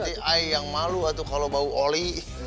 nanti air yang malu aduh kalau bau oli